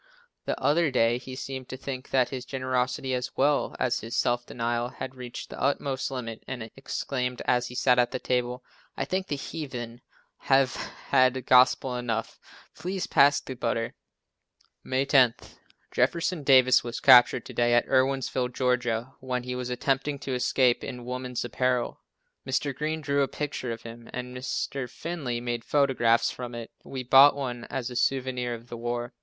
The other day he seemed to think that his generosity, as well as his self denial, had reached the utmost limit and exclaimed as he sat at the table, "I think the heathen have had gospel enough, please pass the butter." May 10. Jeff Davis was captured to day at Irwinsville, Ga., when he was attempting to escape in woman's apparel. Mr. Green drew a picture of him, and Mr. Finley made photographs from it. We bought one as a souvenir of the war.